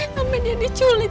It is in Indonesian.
mama yang diculik